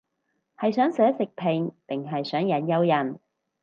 係想寫食評定係想引誘人